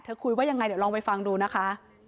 คุยว่ายังไงเดี๋ยวลองไปฟังดูนะคะ